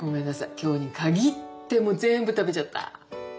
今日に限ってもう全部食べちゃった。